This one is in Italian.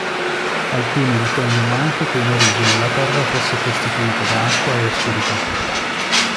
Alcuni ritengono anche che in origine la Terra fosse costituita da acqua e oscurità.